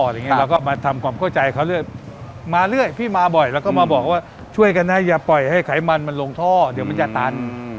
เราก็มาทำความเข้าใจเขาเรื่อยมาเรื่อยพี่มาบ่อยแล้วก็มาบอกว่าช่วยกันนะอย่าปล่อยให้ไขมันมันลงท่อเดี๋ยวมันจะตัน